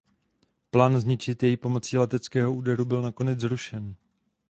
Plán zničit jej pomocí leteckého úderu byl nakonec zrušen.